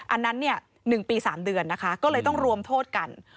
อันนั้น๑ปี๓เดือนนะคะก็เลยต้องรวมโทษกัน